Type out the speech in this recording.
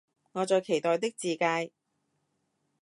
我在期待的自介